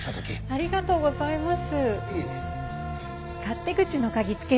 ありがとうございます。